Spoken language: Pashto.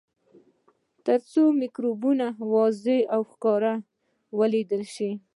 تر څو مکروبونه واضح او ښکاره ولیدل شي.